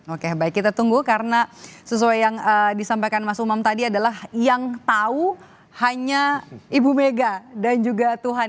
oke baik kita tunggu karena sesuai yang disampaikan mas umam tadi adalah yang tahu hanya ibu mega dan juga tuhan